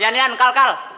yan yan kal kal